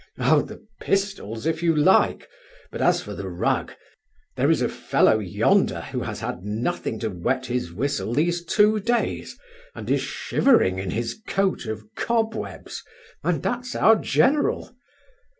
"Oh! the pistols if you like; but as for the rug, there is a fellow yonder who has had nothing to wet his whistle these two days, and is shivering in his coat of cobwebs, and that's our General."